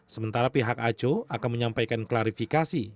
sementara pihak aco akan menyampaikan klarifikasi